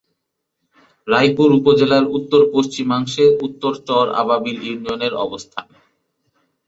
রায়পুর উপজেলার উত্তর-পশ্চিমাংশে উত্তর চর আবাবিল ইউনিয়নের অবস্থান।